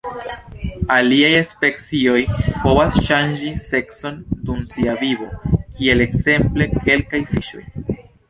Aliaj specioj povas ŝanĝi sekson dum sia vivo, kiel ekzemple kelkaj fiŝoj.